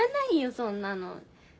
そんなの。